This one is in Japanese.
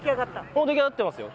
もう出来上がってますよ。